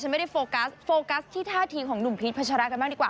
ไม่ได้โฟกัสโฟกัสที่ท่าทีของหนุ่มพีชพัชรากันบ้างดีกว่า